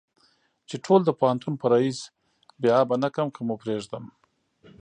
چې ټول د پوهنتون په ريس بې آبه نه کم که مو پرېدم.